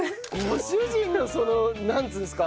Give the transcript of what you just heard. ご主人のそのなんていうんですか。